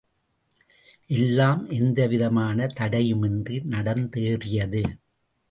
எல்லாம் எந்தவிதமான தடையுமின்றி நடந்தேறியது.